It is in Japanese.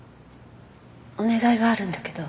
お願いがあるんだけど。